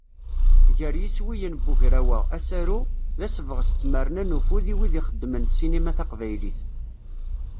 Gar yiswiyen n ugraw-a Asaru, d asebɣes d tmerna n ufud i wid ixeddmen ssinima taqbaylit.